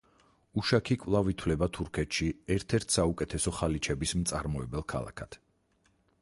უშაქი კვლავ ითვლება თურქეთში ერთ-ერთ საუკეთესო ხალიჩების მწარმოებელ ქალაქად.